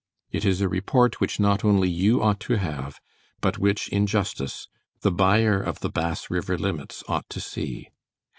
It is a report which not only you ought to have, but which, in justice, the buyer of the Bass River Limits ought to see.